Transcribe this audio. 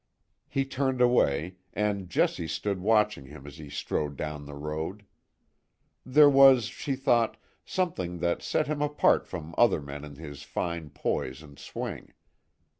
He turned away, and Jessie stood watching him as he strode down the road. There was, she thought, something that set him apart from other men in his fine poise and swing.